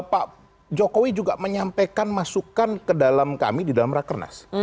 pak jokowi juga menyampaikan masukan ke dalam kami di dalam rakernas